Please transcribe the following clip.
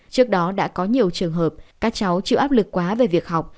trước đó đã có nhiều trường hợp các cháu chịu áp lực quá về việc học